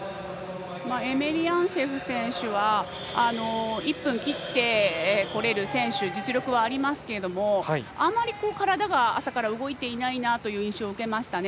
エメリアンツェフ選手は１分を切ってこれる選手実力はありますがあまり体が朝から動いていないなという印象を受けましたね。